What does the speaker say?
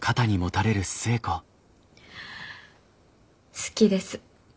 好きです。